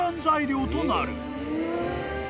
材料となる］